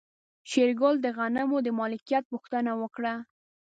شېرګل د غنمو د مالکيت پوښتنه وکړه.